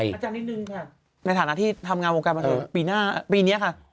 อาจารย์นิดนึงค่ะในฐานะที่ทำงานวงการบันเทิงปีหน้าปีนี้ค่ะ